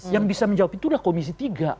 yang bisa menjawab itu adalah komisi tiga